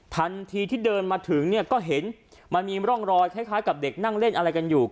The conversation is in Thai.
ทันทีที่เดินมาถึงเนี่ยก็เห็นมันมีร่องรอยคล้ายกับเด็กนั่งเล่นอะไรกันอยู่